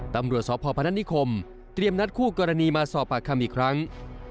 ตำรวจสพพนัทนิคมเตรียมนัดคู่กรณีมาสอบปากคำอีกครั้ง